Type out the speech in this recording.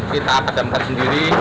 kita padamkan sendiri